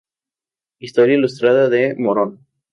Historia Ilustrada de Moron.